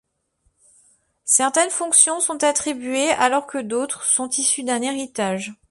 Certaines fonctions sont attribuées, alors que d'autres sont issus d'un héritage.